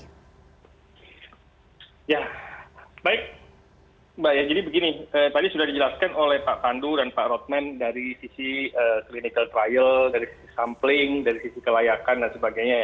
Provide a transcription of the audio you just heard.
ya baik mbak ya jadi begini tadi sudah dijelaskan oleh pak pandu dan pak rotman dari sisi clinical trial dari sisi sampling dari sisi kelayakan dan sebagainya